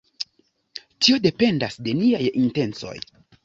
Tio dependas de niaj intencoj.